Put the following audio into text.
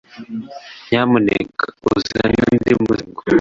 Nyamuneka uzane undi musego?